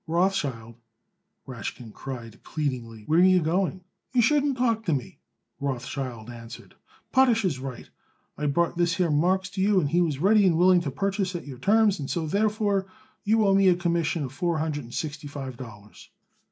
"Rothschild," Rashkin cried pleadingly, "where are you going?" "You shouldn't talk to me," Rothschild answered. "Potash is right. I brought this here Marks to you and he was ready and willing to purchase at your terms, and so, therefore, you owe me a commission of four hundred and sixty five dollars."